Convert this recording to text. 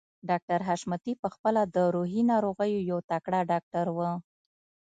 ډاکټر حشمتي په خپله د روحي ناروغيو يو تکړه ډاکټر و.